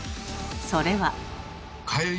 それは。